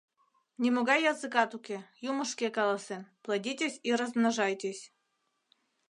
Нимогай языкат уке, юмо шке каласен: «Плодитесь и размножайтесь...»